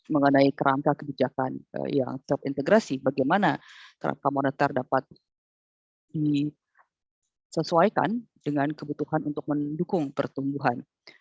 mengenai kerangka kebijakan yang terintegrasi bagaimana kerangka moneter dapat disesuaikan dengan kebutuhan untuk mendukung pertumbuhan